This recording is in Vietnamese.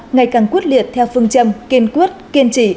ngày càng quyết liệt theo phương châm kiên quyết kiên trì